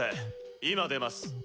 今出ます。